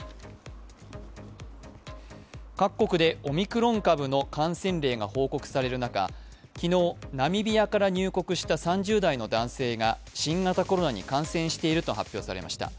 各国でオミクロン株の感染例が報告される中昨日、ナミビアから入国した３０代の男性が新型コロナに感染していると発表されました。